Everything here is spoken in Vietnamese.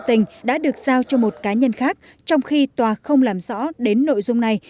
tình đã được giao cho một cá nhân khác trong khi tòa không làm rõ đến nội dung này